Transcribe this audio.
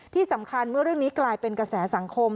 ที่สำคัญเมื่อเรื่องนี้กลายเป็นกระแสสังคม